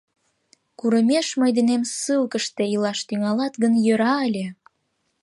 Курымеш мый денем ссылкыште илаш тӱҥалат гын, йӧра ыле.